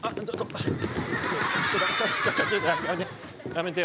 やめて。